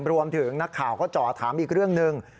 นักข่าวก็จ่อถามอีกเรื่องหนึ่ง